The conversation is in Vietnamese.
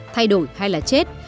thay đổi hay là chết